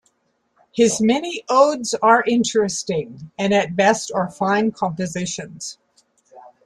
His many odes are interesting, and at best are fine compositions.